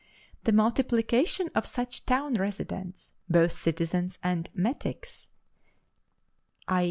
The multiplication of such town residents, both citizens and metics (_i.